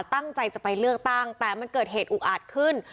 ตั้งใจจะไปเลือกตั้งแต่มันเกิดเหตุอุกอาจขึ้น